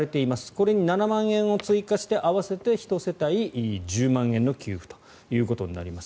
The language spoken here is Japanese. これに７万円を追加して合わせて１世帯１０万円の給付となります。